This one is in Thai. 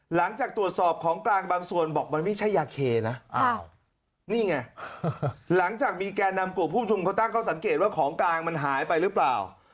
หลังจากตรวจสอบของกลางบางส่วนบอกมันไม่ใช่ยาเคนะนี่ไงหลังจากมีแก่นำกลุ่มผู้ชุมเขาตั้งข้อสังเกตว่าของกลางมันหายไปหรือเปล่า